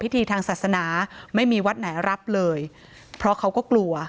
ทางศาสนาไม่มีวัดไหนรับเลยเพราะเขาก็กลัว